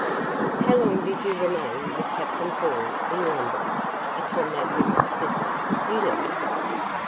"How long did you remain with Captain Thorn in London upon that little visit, you know?"